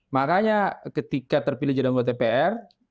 makanya ketika terpilih jodoh untuk dpr